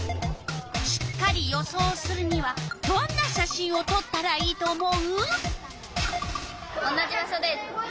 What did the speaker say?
しっかり予想するにはどんな写真をとったらいいと思う？